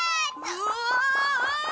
うわ！